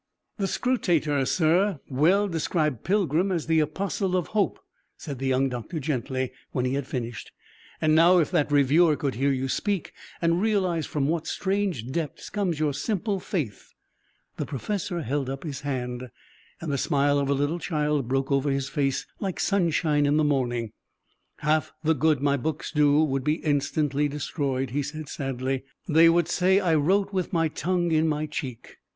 "The Scrutator, sir, well described 'Pilgrim' as the Apostle of Hope," said the young doctor gently, when he had finished; "and now, if that reviewer could hear you speak and realize from what strange depths comes your simple faith " The professor held up his hand, and the smile of a little child broke over his face like sunshine in the morning. "Half the good my books do would be instantly destroyed," he said sadly; "they would say that I wrote with my tongue in my cheek.